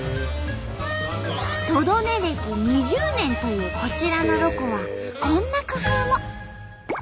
トド寝歴２０年というこちらのロコはこんな工夫も。